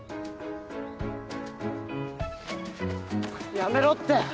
やめろって。